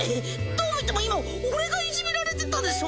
どう見ても今俺がいじめられてたでしょ！